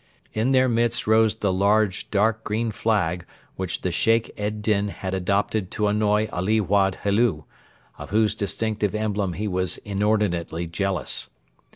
In their midst rose the large, dark green flag which the Sheikh ed Din had adopted to annoy Ali Wad Helu, of whose distinctive emblem he was inordinately jealous.